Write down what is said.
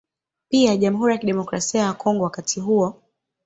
Pia Jamhuri ya Kidemokrasia ya Kongo wakati huo